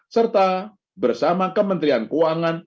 serta bersama kementerian keuangan